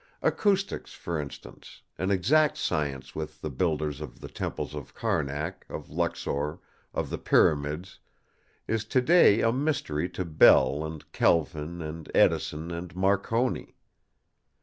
Acoustics, for instance, an exact science with the builders of the temples of Karnak, of Luxor, of the Pyramids, is today a mystery to Bell, and Kelvin, and Edison, and Marconi.